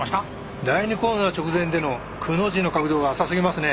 第２コーナー直前での「くの字」の角度が浅すぎますね。